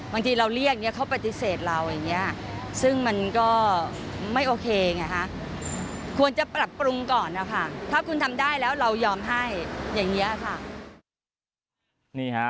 บางทีเราเรียกเนี่ยเขาปฏิเสธเราอย่างนี้ซึ่งมันก็ไม่โอเคไงฮะควรจะปรับปรุงก่อนนะคะถ้าคุณทำได้แล้วเรายอมให้อย่างนี้ค่ะ